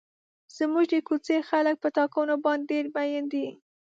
زموږ د کوڅې خلک په ټاکنو باندې ډېر مین دي.